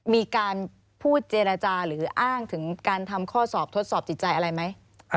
มีการพูดเจรจาหรืออ้างถึงการทำข้อสอบทดสอบจิตใจอะไรไหม